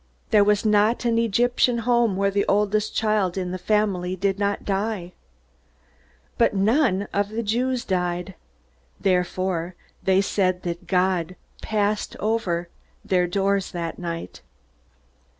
There was not an Egyptian home where the oldest child in the family did not die. But none of the Jews died. Therefore, they said that God passed over their doors that night.